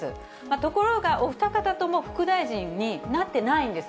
ところがお二方とも副大臣になってないんです。